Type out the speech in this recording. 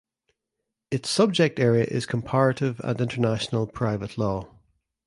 Its subject area is comparative and international private law.